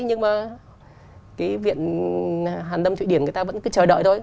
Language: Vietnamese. nhưng mà cái viện hàn lâm thụy điển người ta vẫn cứ chờ đợi thôi